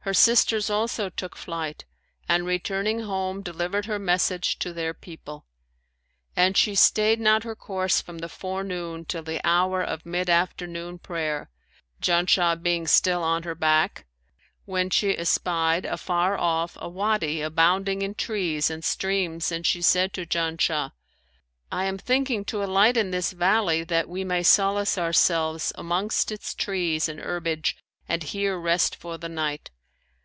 Her sisters also took flight and returning home delivered her message to their people. And she stayed not her course from the forenoon till the hour of mid afternoon prayer (Janshah being still on her back), when she espied afar off a Wady abounding in trees and streams and she said to Janshah, 'I am thinking to alight in this valley, that we may solace ourselves amongst its trees and herbage and here rest for the night.'